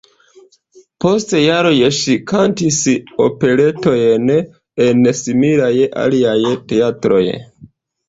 Post jaroj ŝi kantis operetojn en similaj aliaj teatroj.